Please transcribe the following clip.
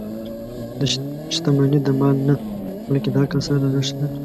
• شتمني د مال نه، بلکې د عقل سره ارزښت لري.